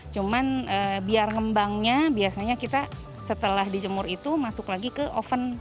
cuman biar ngembangnya biasanya kita setelah dijemur itu masuk lagi ke oven